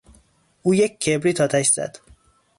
او یک کبریت آتش زد.